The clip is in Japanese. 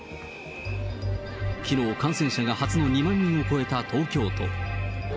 きのう、感染者が初の２万人を超えた東京都。